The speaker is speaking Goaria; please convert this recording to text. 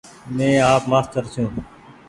مين آپ مآستر ڇون ۔